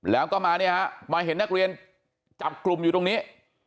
แล้วก็มาเนี่ยฮะมาเห็นนักเรียนจับกลุ่มอยู่ตรงนี้